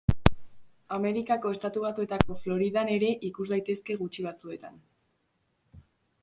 Ameriketako Estatu Batuetako Floridan ere ikus daitezke gutxi batzuetan.